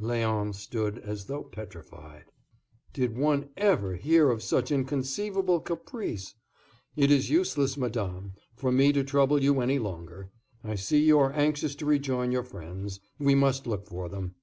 Léon stood as though petrified. "Did one ever hear of such inconceivable caprice? It is useless, madame, for me to trouble you any longer. I see you are anxious to rejoin your friends. We must look for them."